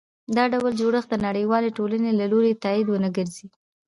دا ډول جوړښت د نړیوالې ټولنې له لوري تایید ونه ګرځي.